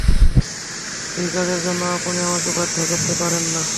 এই কাজের জন্য আপনি আমাকে বাধ্য করতে পারেন না।